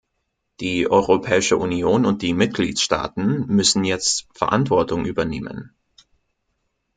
Die Europäische Union und die Mitgliedstaaten müssen jetzt Verantwortung übernehmen.